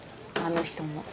あの人も。